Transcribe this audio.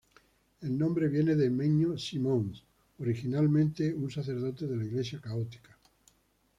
El nombre viene de Menno Simons, originalmente un sacerdote de la Iglesia católica.